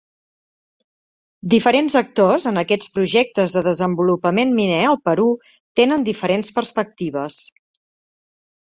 Diferents actors en aquests projectes de desenvolupament miner al Perú tenen diferents perspectives.